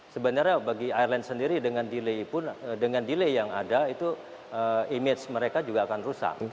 sebenarnya bagi airline sendiri dengan delay yang ada itu image mereka juga akan rusak